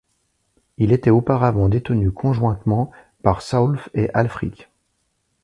Il était auparavant détenu conjointement par Saulf et Alfric.